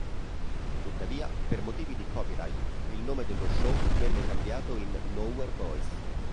Tuttavia, per motivi di copyright, il nome dello show venne cambiato in "Nowhere Boys".